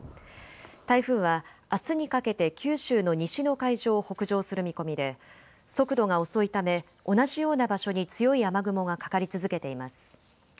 台風はあすにかけて九州の西の海上を北上する見込みで速度が遅いため同じような場所に強い雨雲がかかり続けています。